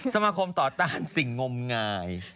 สมาคมต่อต้านสิ่งงมงาย